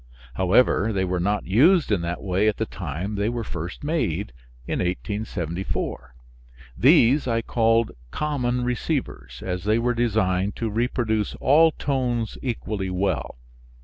However, they were not used in that way at the time they were first made in 1874. These I called common receivers, as they were designed to reproduce all tones equally well.